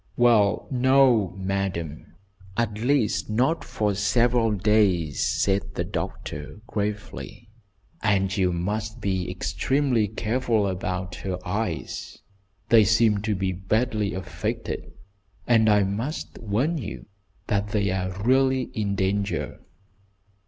"Well, no, madam, at least not for several days," said the doctor, gravely, "And you must be extremely careful about her eyes. They seem to be badly affected, and I must warn you that they are really in danger."